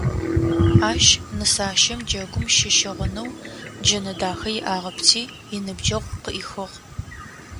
Ащ нысащэм джэгум щыщыгъынэу джэнэ дахэ иӏагъэпти, иныбджэгъу къыӏихыгъ.